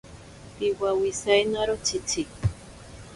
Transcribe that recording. Piwawisainaro tsitsi.